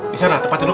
di sana tempat tidur